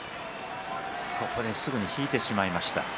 立ち合いすぐに引いてしまいました。